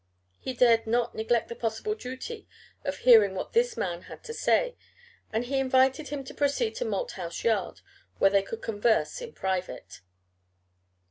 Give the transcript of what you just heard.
He dared not neglect the possible duty of hearing what this man had to say, and he invited him to proceed to Malthouse Yard, where they could converse in private.